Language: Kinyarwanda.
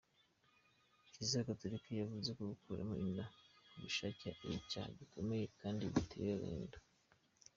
Kiliziya Gatolika yavuze ko gukuramo inda ku bushake ari icyaha gikomeye kandi biteye agahinda